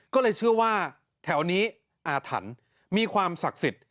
ก็เลยเชื่อว่าแถวนี้อาถรรพ์มีความศักดิ์สิทธิ์